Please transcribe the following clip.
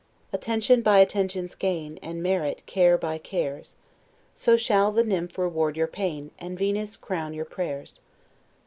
Attention by attentions gain, And merit care by cares; So shall the nymph reward your pain; And Venus crown your prayers.